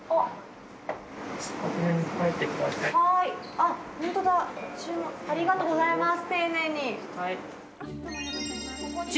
ありがとうございます。